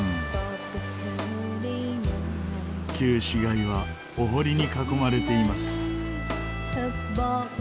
旧市街はお堀に囲まれています。